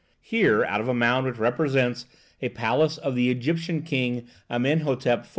Here, out of a mound which represents a palace of the Egyptian King Amenhotep IV.